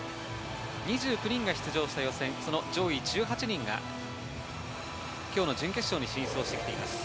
２９人が出場した予選、その上位１８人が今日の準決勝に進出してきています。